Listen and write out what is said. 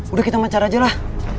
udah kita mancar aja lah